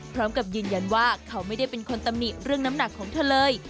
พร้อมกับยืนยันว่าเขาไม่ได้เป็นคนตำหนิเรื่องน้ำหนักของเธอเลย